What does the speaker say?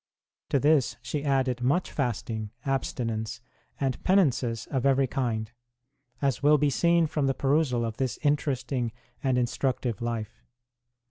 To this she added much fasting, abstinence, and penances of every kind, as will be seen from the perusal of this interesting and instructive life.